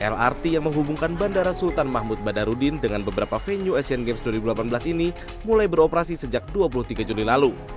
lrt yang menghubungkan bandara sultan mahmud badarudin dengan beberapa venue asian games dua ribu delapan belas ini mulai beroperasi sejak dua puluh tiga juli lalu